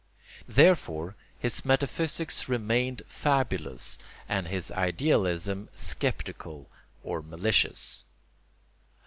Therefore his metaphysics remained fabulous and his idealism sceptical or malicious.